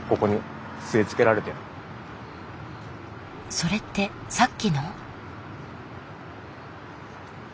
それってさっきの？